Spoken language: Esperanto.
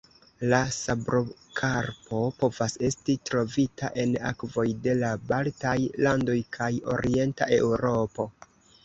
La sabrokarpo povas esti trovita en akvoj de la Baltaj landoj kaj Orienta Eŭropo.